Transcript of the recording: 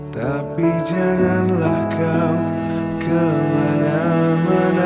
tapi janganlah kau kemana mana